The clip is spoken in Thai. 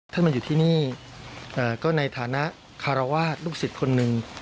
มาอยู่ที่นี่ก็ในฐานะคารวาสลูกศิษย์คนหนึ่ง